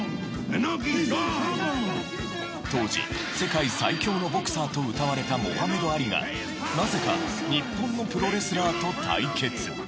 当時世界最強のボクサーとうたわれたモハメド・アリがなぜか日本のプロレスラーと対決。